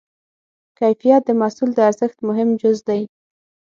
کیفیت د محصول د ارزښت مهم جز دی.